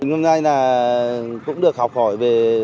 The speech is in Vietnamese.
hôm nay là cũng được học hỏi về